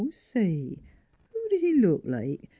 . Say! Who does he look like?